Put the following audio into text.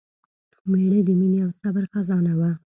مړه د مینې او صبر خزانه وه